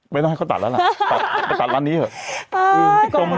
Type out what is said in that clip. ไม่ต้องให้เขาตัดแล้วล่ะตัดไปตัดร้านนี้เถอะ